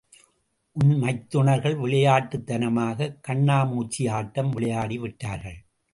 உன் மைத்துனர்கள் விளையாட்டுத்தனமாகத் கண்ணாமூச்சி ஆட்டம் விளையாடி விட்டார்கள்.